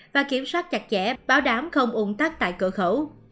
và kiểm soát chặt chẽ bảo đảm không ủng tắc tại cửa khẩu